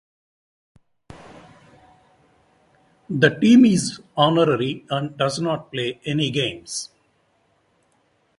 The team is honorary and does not play any games.